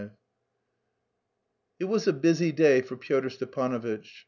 V It was a busy day for Pyotr Stepanovitch.